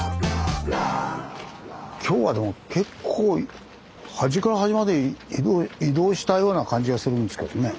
今日はでも結構端から端まで移動したような感じがするんですけどね。